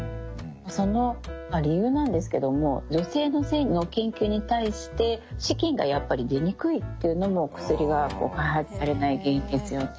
その理由なんですけども女性の性の研究に対して資金がやっぱり出にくいっていうのも薬が開発されない原因ですよね。